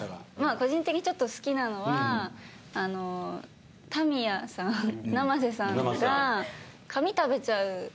個人的にちょっと好きなのは田宮さん生瀬さんが紙食べちゃう。